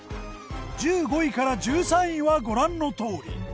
１５位から１３位はご覧のとおり。